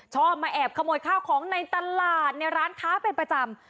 ชอบมาแอบขโมยข้าวของในตลาดในร้านค้าเป็นประจำ